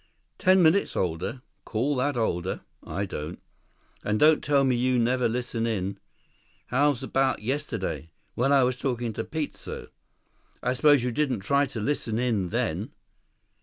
"Ten minutes older. Call that older? I don't. And don't tell me you never listen in. How 'bout yesterday? When I was talking to Peteso? I suppose you didn't try to listen in then."